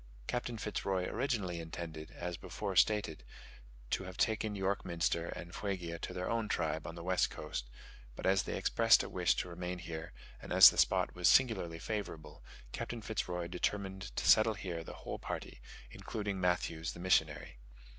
Captain Fitz Roy originally intended, as before stated, to have taken York Minster and Fuegia to their own tribe on the west coast; but as they expressed a wish to remain here, and as the spot was singularly favourable, Captain Fitz Roy determined to settle here the whole party, including Matthews, the missionary.